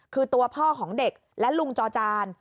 คือตัวพ่อของเด็กและลุงจอจาน